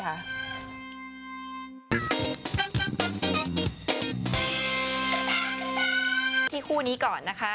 ที่คู่นี้ก่อนนะคะ